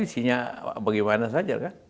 isinya bagaimana saja